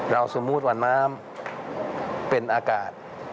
สมมุติว่าน้ำเป็นอากาศ